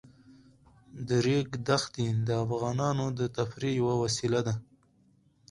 د ریګ دښتې د افغانانو د تفریح یوه وسیله ده.